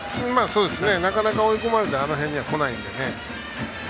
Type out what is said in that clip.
なかなか追い込まれてあの辺にこないので。